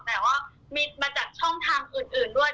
แต่ว่ามีมาจากช่องทางอื่นด้วย